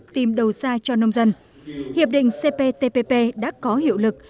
tìm đầu ra cho nông dân hiệp định cptpp đã có hiệu lực